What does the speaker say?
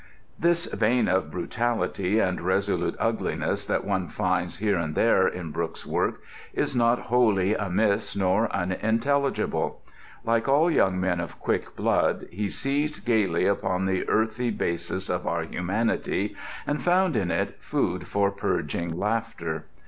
This vein of brutality and resolute ugliness that one finds here and there in Brooke's work is not wholly amiss nor unintelligible. Like all young men of quick blood he seized gaily upon the earthy basis of our humanity and found in it food for purging laughter.